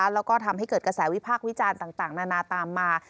แล้วก็ทำให้เกิดกระแสวิพากษ์วิจารณ์ต่างนานาตามมา